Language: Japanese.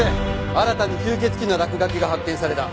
新たに吸血鬼の落書きが発見された。